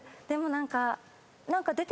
でも何か。